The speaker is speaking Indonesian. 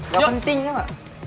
gak penting ya gak